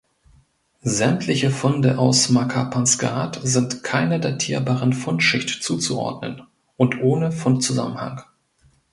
Sämtliche Funde aus Makapansgat sind keiner datierbaren Fundschicht zuzuordnen und ohne Fundzusammenhang.